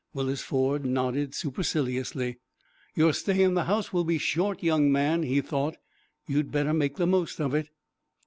Willis Ford nodded superciliously. "Your stay in the house will be short, young man," he thought. "You had better make the most of it."